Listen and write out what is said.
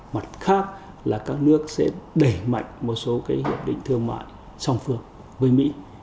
mặt khác là các nước sẽ đẩy mạnh một số hiệp định thương mại song phương với mỹ